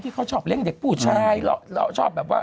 ที่เขาชอบเล่นเด็กผู้ชายแล้วชอบแบบว่า